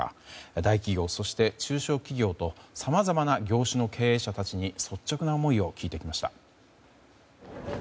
大企業、そして中小企業とさまざまな業種の経営者たちに率直な思いを聞いてきました。